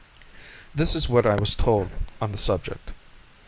This is what I was told on the subject.